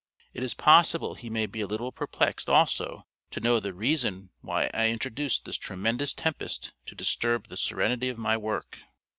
It is possible he may be a little perplexed also to know the reason why I introduced this tremendous tempest to disturb the serenity of my work.